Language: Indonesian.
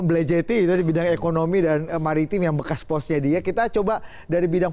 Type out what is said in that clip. belajati dari bidang ekonomi dan maritim yang bekas posnya dia kita coba dari bidang